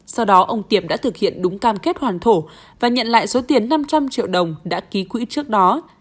sau đó ông tiệp đã thực hiện đúng cam kết hoàn thổ và nhận lại số tiền năm trăm linh triệu đồng đã ký quỹ trước đó